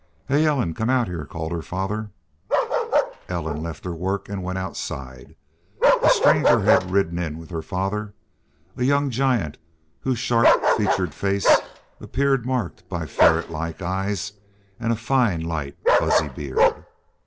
"Hey, Ellen! Come out heah," called her father. Ellen left her work and went outside. A stranger had ridden in with her father, a young giant whose sharp featured face appeared marked by ferret like eyes and a fine, light, fuzzy beard.